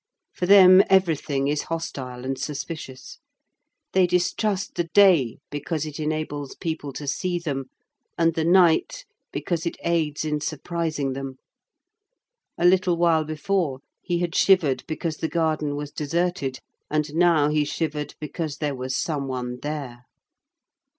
For them everything is hostile and suspicious. They distrust the day because it enables people to see them, and the night because it aids in surprising them. A little while before he had shivered because the garden was deserted, and now he shivered because there was some one there.